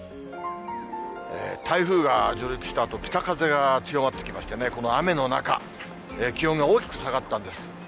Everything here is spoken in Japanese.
台風が上陸したあと、北風が強まってきましてね、この雨の中、気温が大きく下がったんです。